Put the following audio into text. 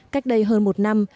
cách đây hơn một năm